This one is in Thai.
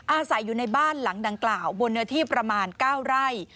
อาศัยอยู่ในบ้านหลังดังกล่าวบนเนื้อที่ประมาณ๙ไร่